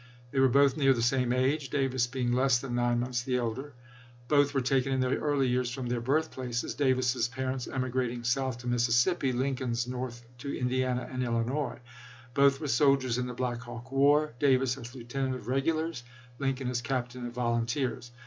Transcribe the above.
They were both near the same age, Davis being less than nine months the elder. Both were taken in their early years from their birthplaces — Davis's parents emigrating south to Mississippi, Lincoln's north to Indiana and Illinois. Both were soldiers in the Black Hawk war — Davis as lieutenant of regulars, Lincoln as captain of volunteers.